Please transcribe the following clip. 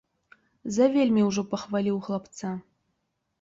Завельмі ўжо пахваліў хлапца.